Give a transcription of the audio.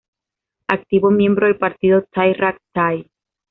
Activo miembro del partido Thai Rak Thai.